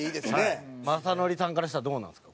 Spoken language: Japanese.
雅紀さんからしたらどうなんですか？